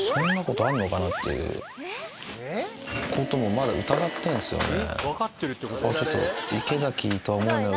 まだ疑ってんですよね。